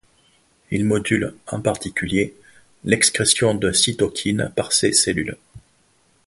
Il module, en particulier, l'excrétion de cytokines par ces cellules.